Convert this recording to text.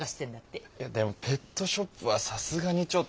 でもペットショップはさすがにちょっと。